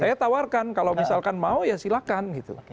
saya tawarkan kalau misalkan mau ya silakan